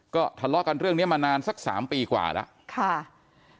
ก็ทะเลาะกันเรื่องนี้มานานสัก๓ปีกว่าแล้วค่ะ